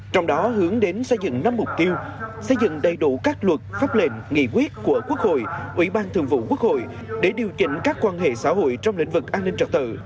trong đó hướng đến xây dựng năm mục tiêu xây dựng đầy đủ các luật pháp lệnh nghị quyết của quốc hội ủy ban thường vụ quốc hội để điều chỉnh các quan hệ xã hội trong lĩnh vực an ninh trật tự